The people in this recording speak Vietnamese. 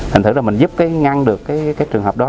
thành thử là mình giúp cái ngăn được cái trường hợp đó